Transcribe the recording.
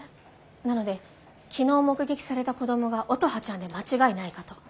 なので昨日目撃された子供が乙葉ちゃんで間違いないかと。